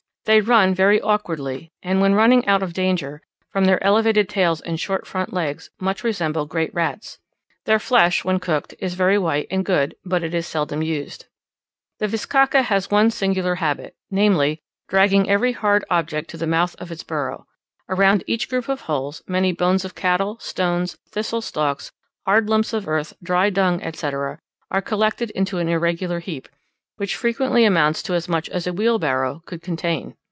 They run very awkwardly, and when running out of danger, from their elevated tails and short front legs much resemble great rats. Their flesh, when cooked, is very white and good, but it is seldom used. The bizcacha has one very singular habit; namely, dragging every hard object to the mouth of its burrow: around each group of holes many bones of cattle, stones, thistle stalks, hard lumps of earth, dry dung, etc., are collected into an irregular heap, which frequently amounts to as much as a wheelbarrow would contain.